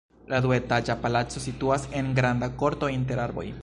La duetaĝa palaco situas en granda korto inter arboj.